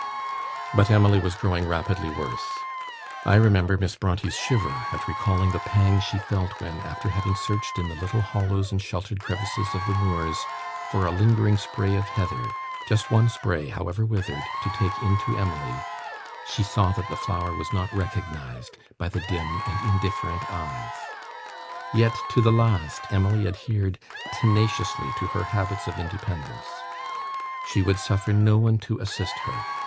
But Emily was growing rapidly worse. I remember Miss Brontë's shiver at recalling the pang she felt when, after having searched in the little hollows and sheltered crevices of the moors for a lingering spray of heather just one spray, however withered to take in to Emily, she saw that the flower was not recognised by the dim and indifferent eyes. Yet, to the last, Emily adhered tenaciously to her habits of independence. She would suffer no one to assist her.